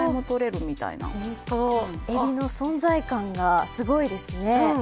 エビの存在感がすごいですね。